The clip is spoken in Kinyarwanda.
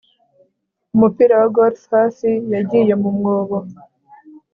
Umupira wa golf hafi yagiye mu mwobo